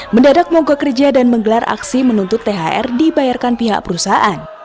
mendadak mogok kerja dan menggelar aksi menuntut thr dibayarkan pihak perusahaan